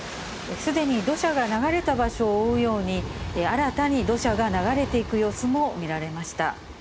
すでに土砂が流れた場所を覆うように、新たに土砂が流れていく様子も見られました。